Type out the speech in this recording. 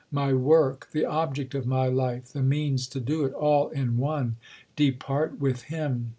My work, the object of my life, the means to do it, all in one, depart with him.